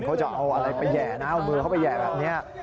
เขาจะเอาอะไรไปแห่นะเอามือเขาไปแห่แบบนี้